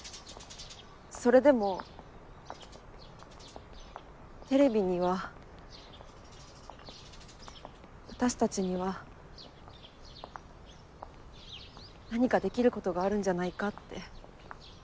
それでもテレビには私たちには何かできることがあるんじゃないかって。